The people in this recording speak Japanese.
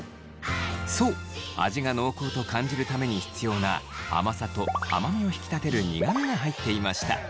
そう味が濃厚と感じるために必要な甘さと甘味を引き立てる苦味が入っていました。